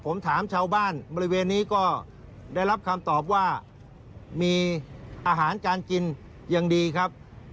ผมถามชาวบ้านบริเวณนี้ก็ได้รับคำตอบว่ามีอาหารการกินยังดีครับ